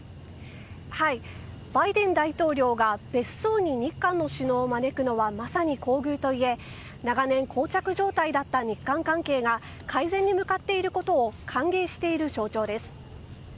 バイデン大統領が別荘に日韓の首脳を招くのはまさに厚遇といえ長年、膠着状態だった日韓関係が改善に向かっていることを歓迎している象徴です。